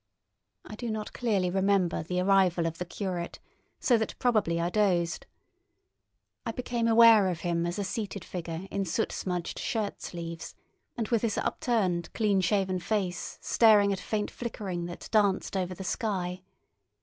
I do not clearly remember the arrival of the curate, so that probably I dozed. I became aware of him as a seated figure in soot smudged shirt sleeves, and with his upturned, clean shaven face staring at a faint flickering that danced over the sky.